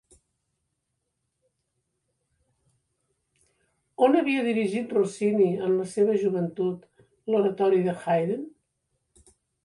On havia dirigit Rossini en la seva joventut l'oratori de Haydn?